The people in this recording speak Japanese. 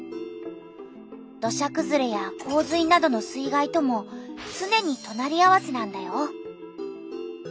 土砂くずれや洪水などの水害ともつねにとなり合わせなんだよ。